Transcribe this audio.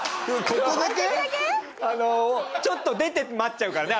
ちょっと出て待っちゃうからね